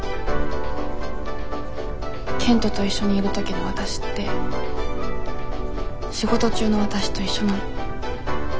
賢人と一緒にいる時のわたしって仕事中のわたしと一緒なの。